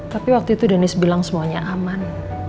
tapi waktu itu deniz bilang semuanya aman